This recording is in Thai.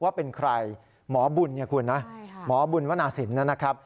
ว่าเป็นใครหมอบุญเนี่ยคุณนะหมอบุญวนาศิลป์นะครับ